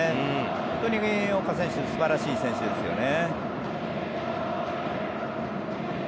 本当に岡選手素晴らしい選手ですよね。